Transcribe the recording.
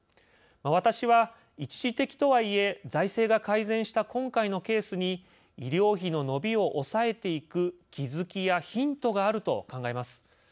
私は一時的とはいえ財政が改善した今回のケースに医療費の伸びを抑えていく「気づき」や「ヒント」があると考えます。